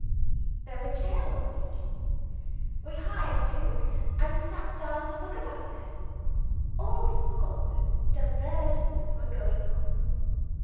There were chairs on the beach. We hired two, and sat down to look about us. All sorts of diversions were going on.